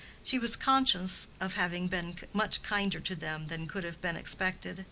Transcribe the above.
She was conscious of having been much kinder to them than could have been expected.